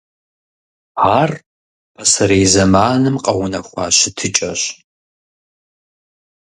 Ар пасэрей зэманым къэунэхуа щытыкӀэщ.